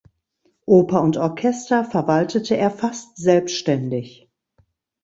Oper und Orchester verwaltete er fast selbständig.